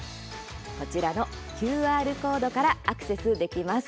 こちらのＱＲコードからアクセスできます。